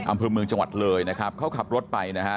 อำเภอเมืองจังหวัดเลยนะครับเขาขับรถไปนะฮะ